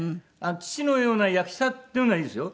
「父のような役者」っていうのはいいですよ。